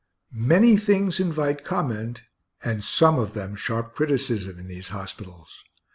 Many things invite comment, and some of them sharp criticism, in these hospitals.